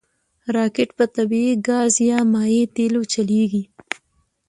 راکټ په طبعي ګاز یا مایع تېلو چلیږي